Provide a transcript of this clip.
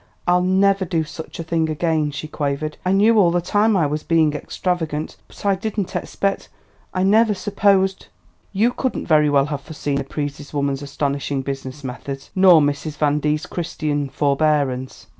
"I'll never do such a thing again," she quavered. "I knew all the time I was being extravagant; but I didn't expect I never supposed " "You couldn't very well have foreseen the Pryse woman's astonishing business methods, nor Mrs. Van D.'s Christian forbearance."